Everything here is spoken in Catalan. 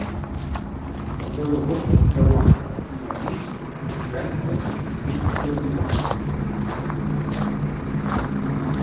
El deu d'agost na Blanca i na Lis aniran a Castellbell i el Vilar.